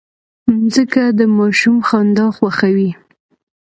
مځکه د ماشوم خندا خوښوي.